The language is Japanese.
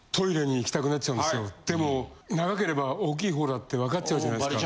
でも長ければ大きい方だって分かっちゃうじゃないですか。